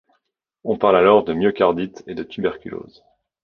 On parle alors de myocardite et de tuberculose.